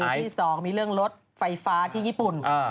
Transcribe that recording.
ที่๒มีเรื่องรถไฟฟ้าที่ญี่ปุ่น